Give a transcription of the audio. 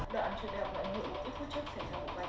đoạn trở đẹp lại nữ